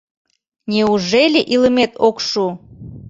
Неужели илымет ок шу?!